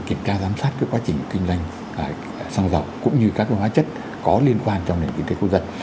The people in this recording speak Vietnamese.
kiểm tra giám sát quá trình kinh doanh xăng dầu cũng như các hóa chất có liên quan trong nền kinh tế quốc dân